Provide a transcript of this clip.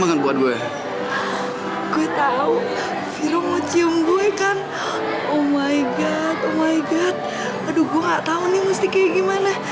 aduh gue gak tau nih mesti kayak gimana